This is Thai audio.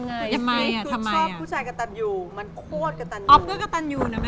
อยากให้ผู้ชายกระตันอยู่มันโหกระตันอยู่